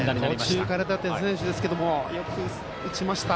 途中から出ている選手ですけど、よく打ちました。